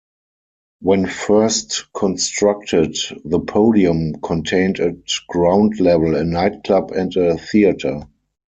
When first constructed, the Podium contained at ground level a nightclub and a theatre.